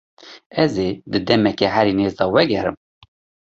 Ez ê di demeke herî nêz de vegerim.